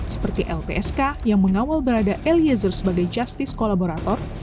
seperti lpsk yang mengawal berada eliezer sebagai justice kolaborator